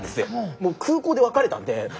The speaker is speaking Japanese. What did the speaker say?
もう空港で別れたんで。